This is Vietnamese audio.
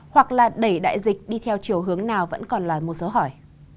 hoặc là đẩy đại dịch đi theo chiều hướng nào vẫn còn là một dấu hỏi